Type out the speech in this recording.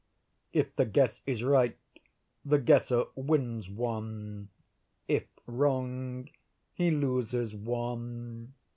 If the guess is right, the guesser wins one; if wrong, he loses one.